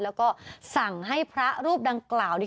แล้วก็สั่งให้พระรูปดังกล่าว